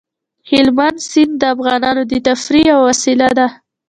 هلمند سیند د افغانانو د تفریح یوه وسیله ده.